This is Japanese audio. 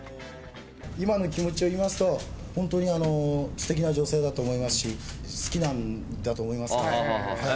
今の気持ちを言いますと、本当にすてきな女性だと思いますし、好きなんだと思います。